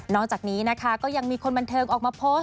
จากนี้นะคะก็ยังมีคนบันเทิงออกมาโพสต์